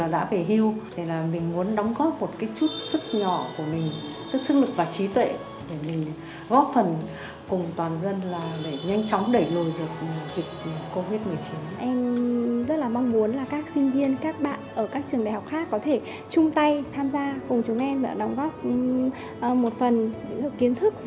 em rất là mong muốn các sinh viên các bạn ở các trường đại học khác có thể chung tay tham gia cùng chúng em và đóng góp một phần kiến thức